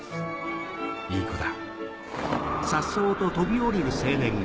いい子だ。